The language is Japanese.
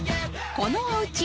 ［このおうち。